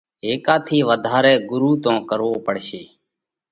ھيڪ ٿِي وڌارئہ ڳرُو تو ڪروو پڙشي۔